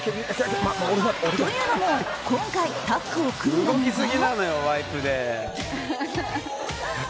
というのも今回タッグを組んだのが。